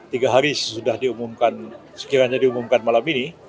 tiga hari sudah diumumkan sekiranya diumumkan malam ini